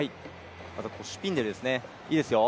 まずはシュピンデルですねいいですよ。